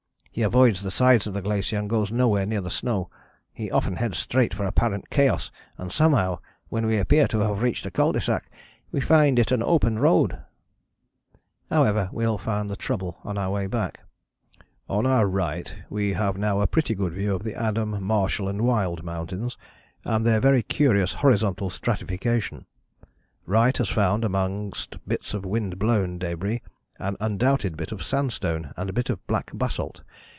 He avoids the sides of the glacier and goes nowhere near the snow: he often heads straight for apparent chaos and somehow, when we appear to have reached a cul de sac, we find it an open road." However, we all found the trouble on our way back. "On our right we have now a pretty good view of the Adam, Marshall and Wild Mountains, and their very curious horizontal stratification. Wright has found, amongst bits of wind blown débris, an undoubted bit of sandstone and a bit of black basalt.